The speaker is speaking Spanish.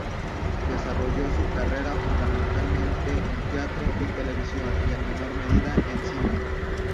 Desarrolló su carrera fundamentalmente en teatro y televisión y en menor medida en cine.